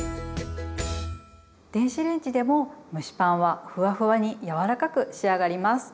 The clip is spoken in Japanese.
電子レンジでも蒸しパンはふわふわに柔らかく仕上がります。